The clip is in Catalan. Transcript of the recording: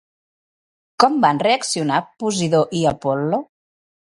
Com van reaccionar Posidó i Apol·lo?